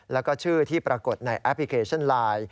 แล้วก็ชื่อที่ปรากฏในแอปพลิเคชันไลน์